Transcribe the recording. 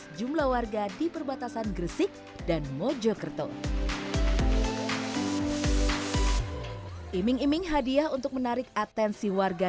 sejumlah warga di perbatasan gresik dan mojokerto iming iming hadiah untuk menarik atensi warga